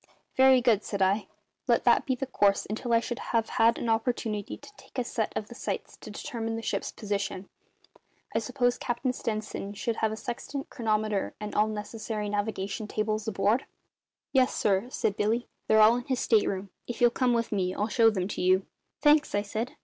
"Very good," said I. "Let that be the course until I shall have had an opportunity to take a set of sights to determine the ship's position. I suppose Captain Stenson had a sextant, chronometer, and all necessary navigation tables aboard?" "Yes, sir," said Billy. "They're all in his state room. If you'll come with me I'll show them to you." "Thanks," I said.